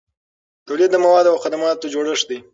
تولید د موادو او خدماتو جوړښت دی.